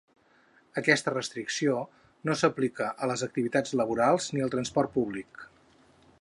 Aquesta restricció no s’aplica a les activitats laborals ni al transport públic.